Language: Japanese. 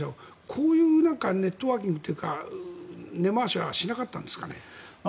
こういうネットワーキングというか根回しはしなかったんですかね。